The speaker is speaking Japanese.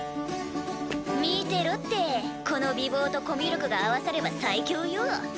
見てろってこの美貌とコミュ力が合わされば最強よ。